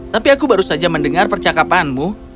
tapi aku baru saja mendengar percakapanmu